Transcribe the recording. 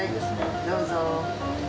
どうぞ。